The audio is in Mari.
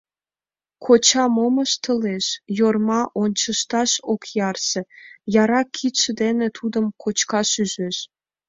Коча мом ыштылеш, Йорма ончышташ ок ярсе, яра кидше дене тудымат кочкаш ӱжеш.